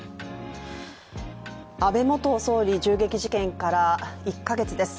安倍元総理銃撃事件から１カ月です。